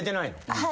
はい。